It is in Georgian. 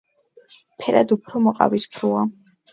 ფერად უფრო მოყავისფროა.